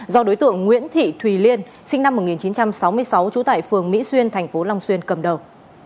do đối tượng nguyễn thị thùy liên sinh năm một nghìn chín trăm sáu mươi sáu trú tại phường mỹ xuyên thành phố long xuyên cầm đầu